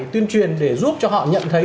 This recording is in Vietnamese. tuyên truyền để giúp cho họ nhận thấy